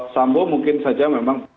sambu mungkin saja memang